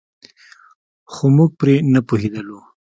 خو موږ پرې نه پوهېدلو.